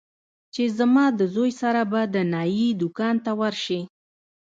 چې زما د زوى سره به د نايي دوکان ته ورشې.